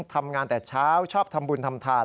ทำงานแต่เช้าชอบทำบุญทำทาน